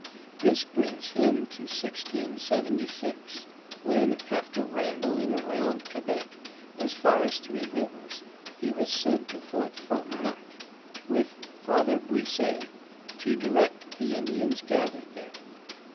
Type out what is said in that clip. This brings him to 1676, when after rambling around Quebec, as far as Three Rivers, he was sent to Fort Frontenac, with Father Buisset to direct the Indians gathered there.